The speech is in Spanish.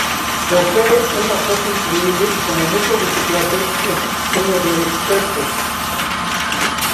Posee una fuerza increíble, y como muchos de su clase, es un herrero experto.